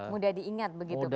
mudah diingat begitu pak